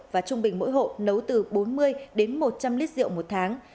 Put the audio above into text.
và trung bình mỗi hộ nấu từ bốn mươi đến một trăm linh lít rượu một tháng